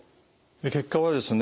結果はですね